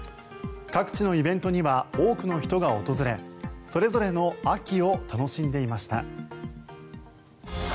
各地のイベントには多くの人が訪れそれぞれの秋を楽しんでいました。